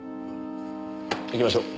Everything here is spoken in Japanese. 行きましょう。